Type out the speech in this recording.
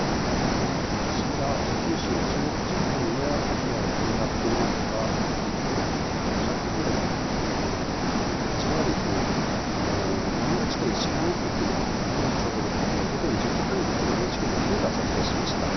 こちら九州、中国地方にも被害が広がっていますが土砂崩れの、こちらは山口県下関市の生野町、午前１０時半の様子、ＮＨＫのクルーが撮影しました。